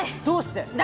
どうして？